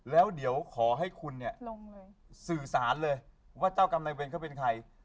แล้วเดี๋ยวขอให้คุณสื่อสารเลยว่าเจ้ากำไรเวรเขาเป็นใคร